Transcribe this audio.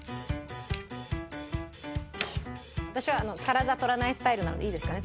私はカラザ取らないスタイルなのでいいですかね？